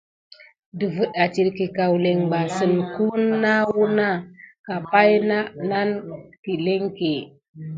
Dəfɗa étirké kaoulin bà sine kume nà wuna ka pay nà nane kilenké.